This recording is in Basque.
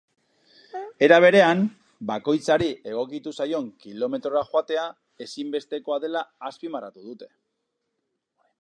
Era berean, bakoitzari egokitu zaion kilometrora joatea ezinbestekoa dela azpimarratu dute.